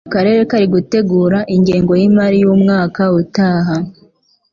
akarere kari gutegura ingengo y imari y'umwaka utaha